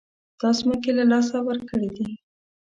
دا ځمکې له لاسه ورکړې دي.